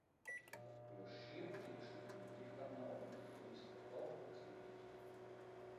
Jo šie priekšlikumi ir par naudu, nevis par kaut ko citu.